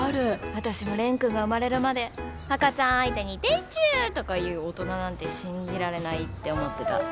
私も蓮くんが生まれるまで赤ちゃん相手に「でちゅ」とか言う大人なんて信じられないって思ってた。